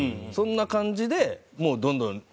そんな感じでもうどんどん。